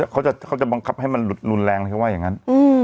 เขาจะบังคับให้มันหลุดรุนแรงอะไรเขาว่าอย่างนั้น